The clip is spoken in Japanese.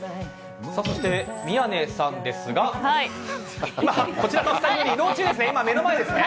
そして宮根さんですがこちらのスタジオに移動中ですね。